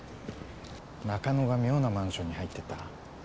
中野が妙なマンションに入っていった。